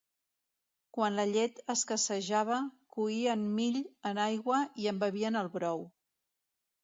Quan la llet escassejava, coïen mill en aigua i en bevien el brou.